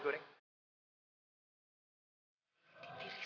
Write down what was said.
ikuti dengan prinsip